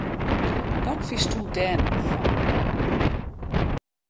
Wat fynst dêr no fan!